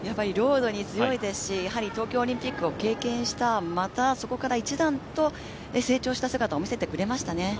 ロードに強いですし、オリンピック経験しましたからまたそこから一段と成長した姿を見せてくれましたね。